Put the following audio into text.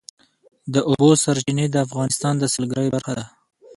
د اوبو سرچینې د افغانستان د سیلګرۍ برخه ده.